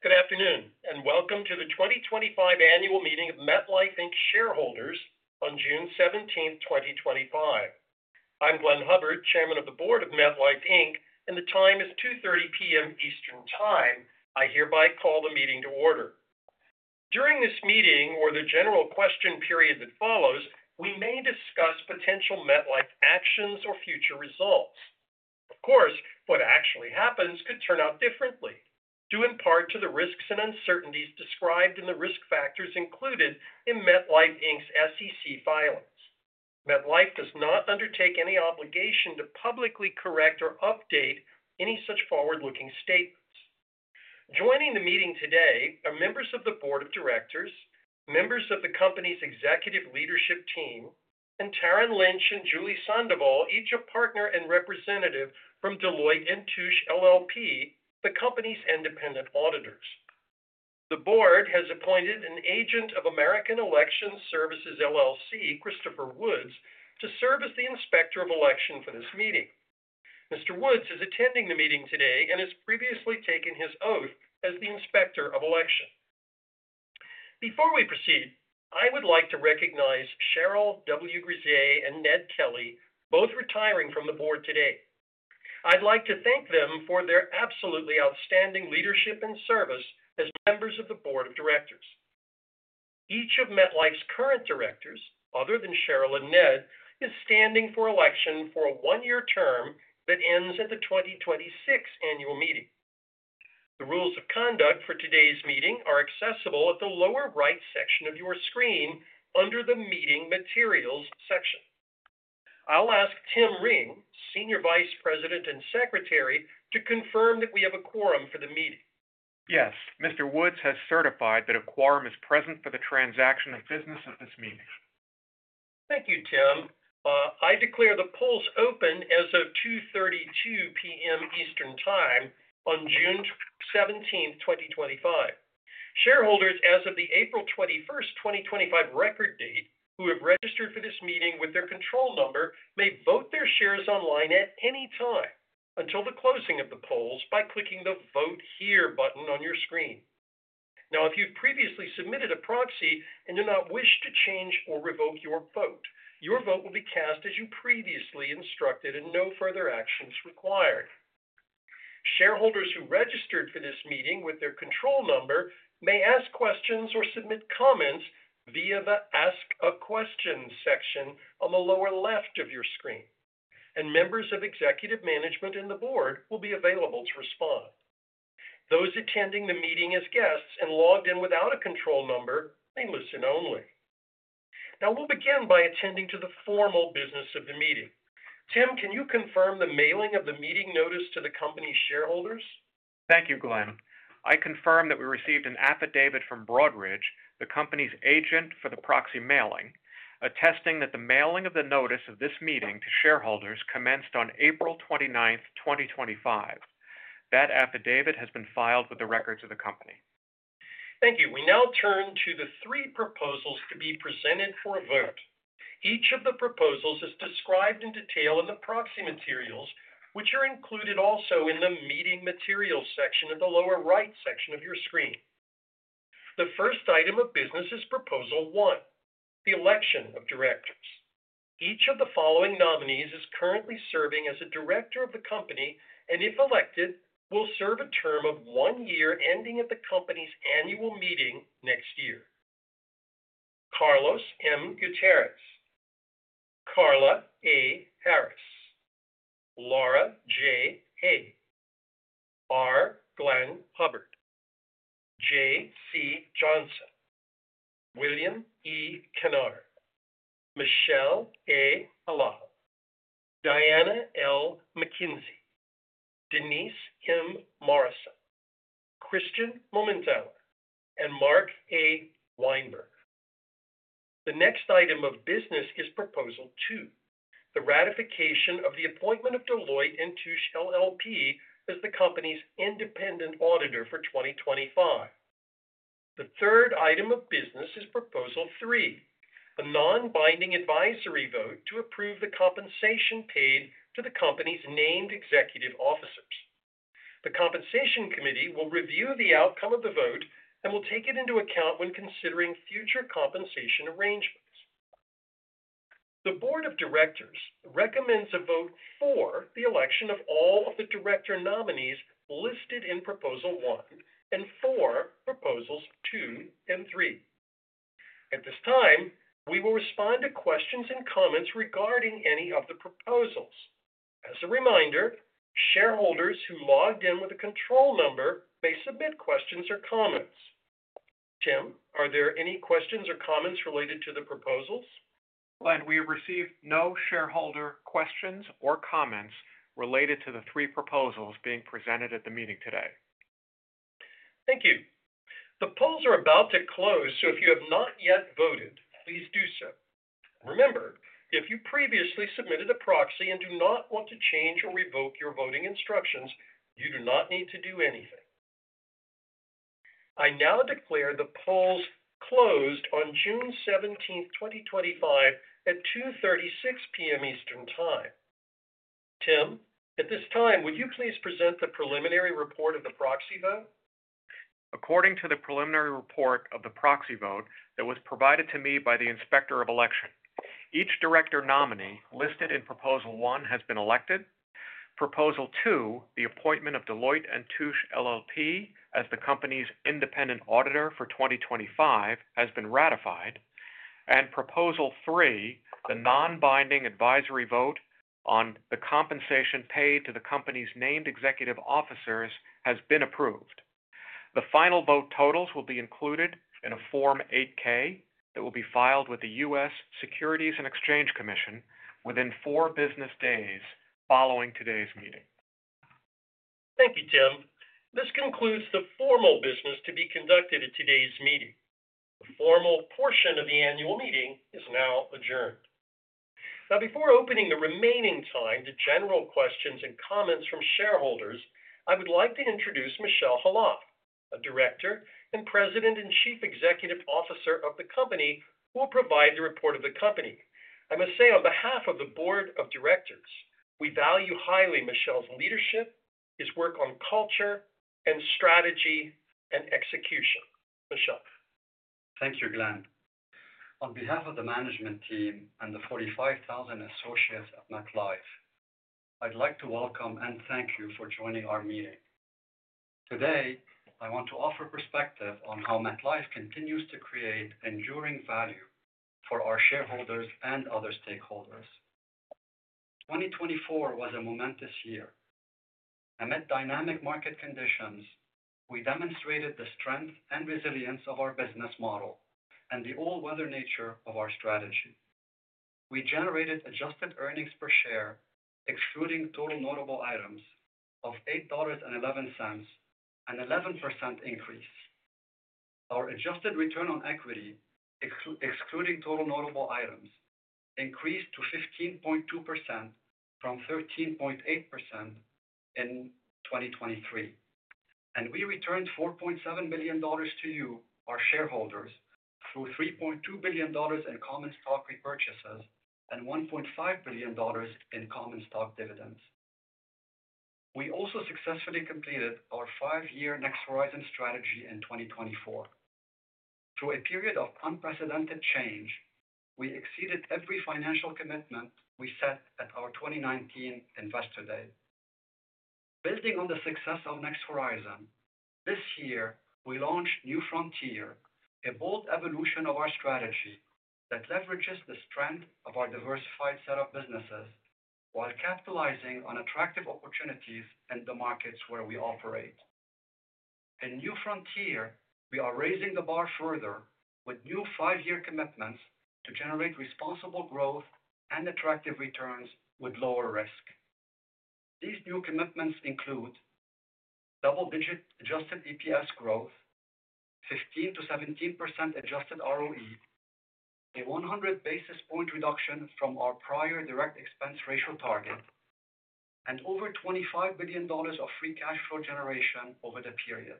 Good afternoon, and welcome to the 2025 Annual Meeting of MetLife Inc. Shareholders on June 17, 2025. I'm Glenn Hubbard, Chairman of the Board of MetLife, Inc., and the time is 2:30 P.M. Eastern Time. I hereby call the meeting to order. During this meeting, or the general question period that follows, we may discuss potential MetLife actions or future results. Of course, what actually happens could turn out differently, due in part to the risks and uncertainties described in the risk factors included in MetLife's SEC filings. MetLife does not undertake any obligation to publicly correct or update any such forward-looking statements. Joining the meeting today are members of the Board of Directors, members of the company's executive leadership team, and Taran Lynch and Julie Sandoval, each a partner and representative from Deloitte & Touche LLP, the company's independent auditors. The Board has appointed an Agent of American Election Services LLC, Christopher Woods, to serve as the Inspector of Election for this meeting. Mr. Woods is attending the meeting today and has previously taken his oath as the Inspector of Election. Before we proceed, I would like to recognize Cheryl W. Grise and Ned Kelly, both retiring from the Board today. I'd like to thank them for their absolutely outstanding leadership and service as members of the Board of Directors. Each of MetLife's current directors, other than Cheryl and Ned, is standing for election for a one-year term that ends at the 2026 Annual Meeting. The rules of conduct for today's meeting are accessible at the lower right section of your screen under the Meeting Materials section. I'll ask Tim Ring, Senior Vice President and Secretary, to confirm that we have a quorum for the meeting. Yes. Mr. Woods has certified that a quorum is present for the transaction of business of this meeting. Thank you, Tim. I declare the polls open as of 2:32 P.M. Eastern Time on June 17, 2025. Shareholders, as of the April 21, 2025 record date, who have registered for this meeting with their control number may vote their shares online at any time until the closing of the polls by clicking the "Vote Here" button on your screen. Now, if you've previously submitted a proxy and do not wish to change or revoke your vote, your vote will be cast as you previously instructed, and no further action is required. Shareholders who registered for this meeting with their control number may ask questions or submit comments via the "Ask a Question" section on the lower left of your screen, and members of executive management and the Board will be available to respond. Those attending the meeting as guests and logged in without a control number may listen only. Now, we'll begin by attending to the formal business of the meeting. Tim, can you confirm the mailing of the meeting notice to the company's shareholders? Thank you, Glenn. I confirm that we received an affidavit from Broadridge, the company's agent for the proxy mailing, attesting that the mailing of the notice of this meeting to shareholders commenced on April 29, 2025. That affidavit has been filed with the records of the company. Thank you. We now turn to the three proposals to be presented for a vote. Each of the proposals is described in detail in the proxy materials, which are included also in the Meeting Materials section at the lower right section of your screen. The first item of business is Proposal 1, the election of directors. Each of the following nominees is currently serving as a director of the company and, if elected, will serve a term of one year ending at the company's Annual Meeting next year: Carlos M. Gutierrez, Karla A. Harris, Laura J. Hay, R. Glenn Hubbard, J. Caridad Johnson, William E. Kennard, Michele A. Peluso, Diana L. McKenzie, Denise M. Morrison, Christian Momenthauer, and Mark A. Weinberger. The next item of business is Proposal 2, the ratification of the appointment of Deloitte & Touche LLP as the company's independent auditor for 2025. The third item of business is proposal 3, a non-binding advisory vote to approve the compensation paid to the company's named executive officers. The compensation committee will review the outcome of the vote and will take it into account when considering future compensation arrangements. The Board of Directors recommends a vote for the election of all of the director nominees listed in proposal 1 and for proposals 2 and 3. At this time, we will respond to questions and comments regarding any of the proposals. As a reminder, shareholders who logged in with a control number may submit questions or comments. Tim, are there any questions or comments related to the proposals? Glenn, we have received no shareholder questions or comments related to the three proposals being presented at the meeting today. Thank you. The polls are about to close, so if you have not yet voted, please do so. Remember, if you previously submitted a proxy and do not want to change or revoke your voting instructions, you do not need to do anything. I now declare the polls closed on June 17, 2025, at 2:36 P.M. Eastern Time. Tim, at this time, would you please present the preliminary report of the proxy vote? According to the preliminary report of the proxy vote that was provided to me by the Inspector of Election, each director nominee listed in proposal 1 has been elected. Proposal 2, the appointment of Deloitte & Touche LLP as the company's independent auditor for 2025, has been ratified. Proposal 3, the non-binding advisory vote on the compensation paid to the company's named executive officers, has been approved. The final vote totals will be included in a Form 8-K that will be filed with the U.S. Securities and Exchange Commission within four business days following today's meeting. Thank you, Tim. This concludes the formal business to be conducted at today's meeting. The formal portion of the Annual Meeting is now adjourned. Now, before opening the remaining time to general questions and comments from shareholders, I would like to introduce Michel Khalaf, a director and President and Chief Executive Officer of the company who will provide the report of the company. I must say, on behalf of the Board of Directors, we value highly Michel's leadership, his work on culture, and strategy and execution. Michel. Thank you, Glenn. On behalf of the management team and the 45,000 associates at MetLife, I'd like to welcome and thank you for joining our meeting. Today, I want to offer perspective on how MetLife continues to create enduring value for our shareholders and other stakeholders. 2024 was a momentous year. Amid dynamic market conditions, we demonstrated the strength and resilience of our business model and the all-weather nature of our strategy. We generated adjusted earnings per share, excluding total notable items, of $8.11, an 11% increase. Our adjusted return on equity, excluding total notable items, increased to 15.2% from 13.8% in 2023. We returned $4.7 billion to you, our shareholders, through $3.2 billion in common stock repurchases and $1.5 billion in common stock dividends. We also successfully completed our five-year Next Horizon strategy in 2024. Through a period of unprecedented change, we exceeded every financial commitment we set at our 2019 investor day. Building on the success of Next Horizon, this year, we launched New Frontier, a bold evolution of our strategy that leverages the strength of our diversified set of businesses while capitalizing on attractive opportunities in the markets where we operate. In New Frontier, we are raising the bar further with new five-year commitments to generate responsible growth and attractive returns with lower risk. These new commitments include double-digit adjusted EPS growth, 15%-17% adjusted ROE, a 100 basis point reduction from our prior direct expense ratio target, and over $25 billion of free cash flow generation over the period.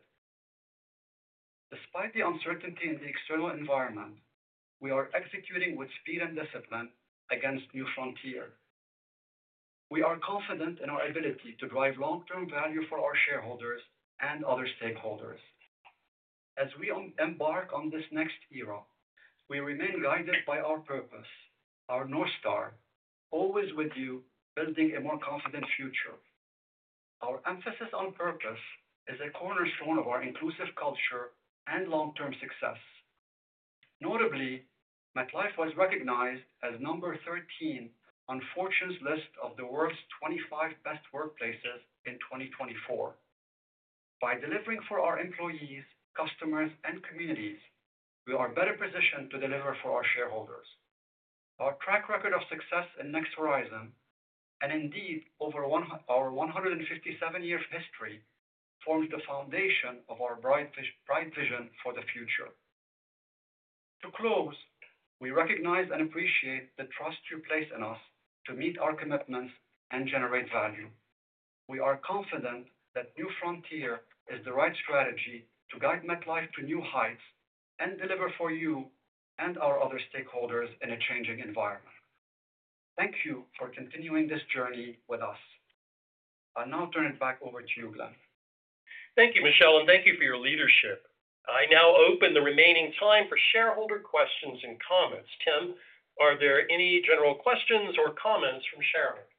Despite the uncertainty in the external environment, we are executing with speed and discipline against New Frontier. We are confident in our ability to drive long-term value for our shareholders and other stakeholders. As we embark on this next era, we remain guided by our purpose, our North Star, always with you, building a more confident future. Our emphasis on purpose is a cornerstone of our inclusive culture and long-term success. Notably, MetLife was recognized as number 13 on Fortune's list of the world's 25 best workplaces in 2024. By delivering for our employees, customers, and communities, we are better positioned to deliver for our shareholders. Our track record of success in Next Horizon, and indeed our 157-year history, forms the foundation of our bright vision for the future. To close, we recognize and appreciate the trust you place in us to meet our commitments and generate value. We are confident that New Frontier is the right strategy to guide MetLife to new heights and deliver for you and our other stakeholders in a changing environment. Thank you for continuing this journey with us. I'll now turn it back over to you, Glenn. Thank you, Michele, and thank you for your leadership. I now open the remaining time for shareholder questions and comments. Tim, are there any general questions or comments from shareholders?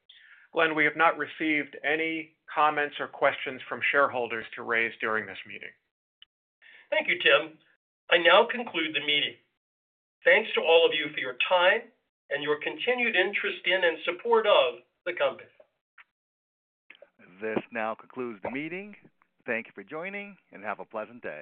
Glenn, we have not received any comments or questions from shareholders to raise during this meeting. Thank you, Tim. I now conclude the meeting. Thanks to all of you for your time and your continued interest in and support of the company. This now concludes the meeting. Thank you for joining, and have a pleasant day.